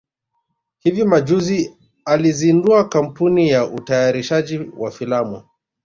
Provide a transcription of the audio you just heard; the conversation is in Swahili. hivi majuzi alizindua kampuni ya utayarishaji wa filamu